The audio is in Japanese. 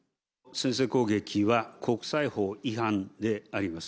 先制攻撃は国際法違反であります。